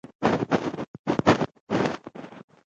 رومیان د خوړو له ملګرو دي